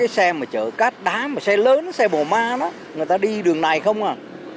xe mà chở cát đá mà xe lớn xe bồ ma đó người ta đi đường này không à